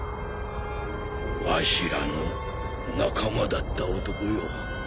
わしらの仲間だった男よ。